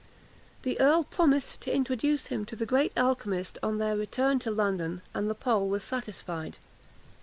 The earl promised to introduce him to the great alchymist on their return to London, and the Pole was satisfied.